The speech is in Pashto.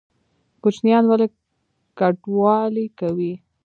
کوچیان ولې کډوالي کوي؟